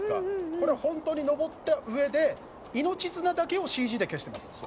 「これ本当に登ったうえで命綱だけをＣＧで消してます」